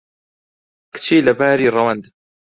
کچی لەباری ڕەوەند